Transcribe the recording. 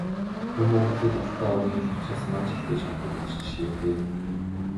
Мөн Монгол хэл Алтай овгийн хэл учраас Манж хэлтэй ч холбогдох жишээтэй.